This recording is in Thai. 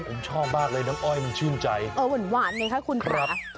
ผมชอบมากเลยน้ำอ้อยมันชื่นใจอ๋อเหมือนหวานเลยค่ะคุณตัว